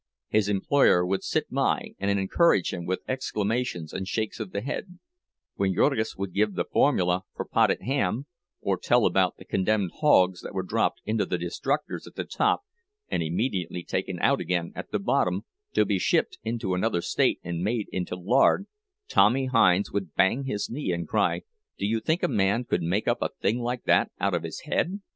His employer would sit by and encourage him with exclamations and shakes of the head; when Jurgis would give the formula for "potted ham," or tell about the condemned hogs that were dropped into the "destructors" at the top and immediately taken out again at the bottom, to be shipped into another state and made into lard, Tommy Hinds would bang his knee and cry, "Do you think a man could make up a thing like that out of his head?"